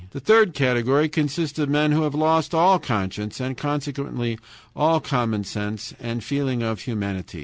The third category consists of men who have lost all conscience and, consequently, all common sense and feeling of humanity.